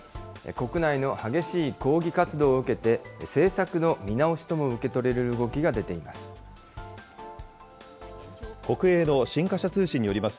国内の激しい抗議活動を受けて、政策の見直しとも受け取れる動きが出ています。